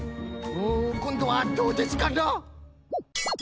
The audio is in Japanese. こんどはどうですかな？